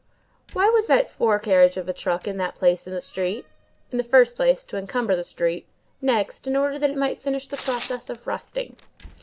Why was that fore carriage of a truck in that place in the street? In the first place, to encumber the street; next, in order that it might finish the process of rusting.